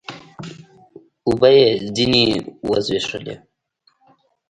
اوبه يې ځيني و زبېښلې